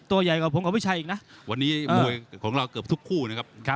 ตัวใหญ่กว่าผมกับวิชัยอีกนะวันนี้มวยของเราเกือบทุกคู่นะครับ